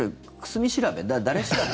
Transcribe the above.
誰調べ？